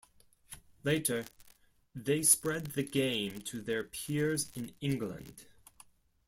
Later they spread the game to their peers in England.